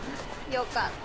よかった！